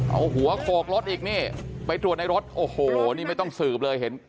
เอาหัวโขกรถอีกนี่ไปตรวจในรถโอ้โหนี่ไม่ต้องสืบเลยเห็น